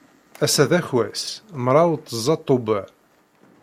Ass-a d akwas, mraw tẓa Tubeṛ.